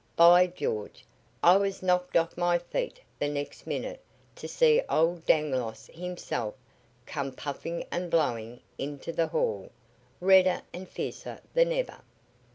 By George, I was knocked off my feet the next minute to see old Dangloss himself come puffing and blowing into the hall, redder and fiercer than ever.